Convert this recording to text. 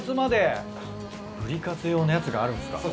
ブリカツ用のやつがあるんですか。